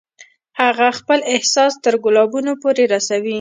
هغه خپل احساس تر ګلابونو پورې رسوي